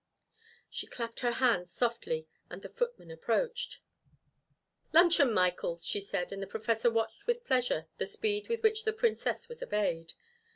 She clapped her hands softly, and the footman approached. "Luncheon, Michael!" she said, and the Professor watched with pleasure the speed with which the Princess was obeyed.